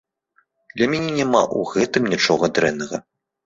Для мяне няма ў гэтым нічога дрэннага.